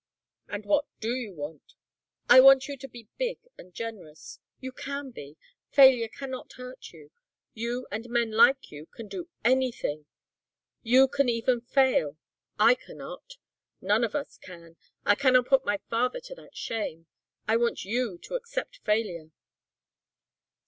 "And what do you want?" "I want you to be big and generous. You can be. Failure cannot hurt you. You and men like you can do anything. You can even fail. I cannot. None of us can. I cannot put my father to that shame. I want you to accept failure."